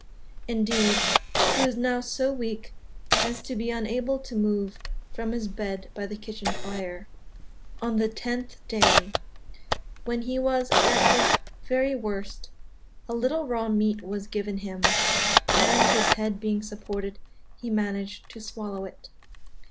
Indeed, he was now so weak as to be unable to move from his bed by the kitchen fire. On the 10th day, when he was at his very worst, a little raw meat was given him; and, his head being supported, he managed to swallow it.